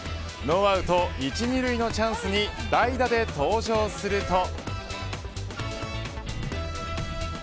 ノーアウト１、２塁のチャンスに代打で登場すると。